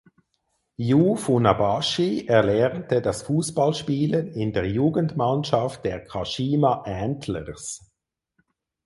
Yu Funabashi erlernte das Fußballspielen in der Jugendmannschaft der Kashima Antlers.